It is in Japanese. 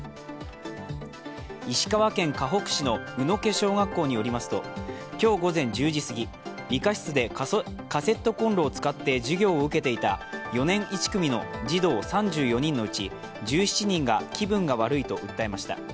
石川県かほく市の宇ノ気小学校によりますと今日午前１０時すぎ、理科室でカセットこんろを使って授業を受けていた４年１組の児童３４人のうち１７人が気分が悪いと訴えました。